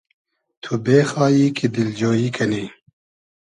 تو بېخایی کی دیلجۉیی کنی